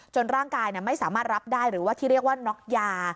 ร่างกายไม่สามารถรับได้หรือว่าที่เรียกว่าน็อกยา